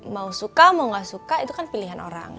mau suka mau gak suka itu kan pilihan orang